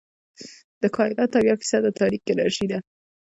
د کائنات اويا فیصده تاریک انرژي ده.